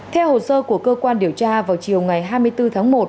theo hồ sơ của cơ quan điều tra vào chiều ngày hai mươi bốn tháng một